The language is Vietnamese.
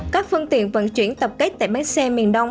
các phương tiện vận chuyển tập kết tại bến xe miền đông